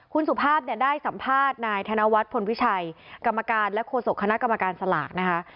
คุณสุภาพเนี่ยได้สัมภาษณ์นายธนวัฒน์พลวิชัยกรรมการและโฆษกคณะกรรมการสลากนะคะ